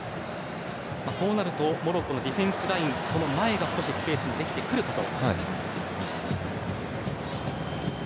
そうなるとモロッコのディフェンスラインその前にスペースができてくるかと。